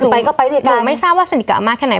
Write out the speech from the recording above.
หนูไม่ทราบว่าสนิทกับอาม่าแค่ไหน